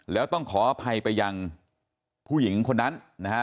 แล้วต้องขออภัยไปยังผู้หญิงคนนั้นนะฮะ